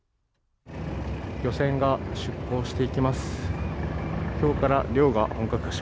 漁船が出航していきます。